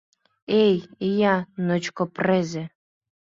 Эй, ия, ночко презе!..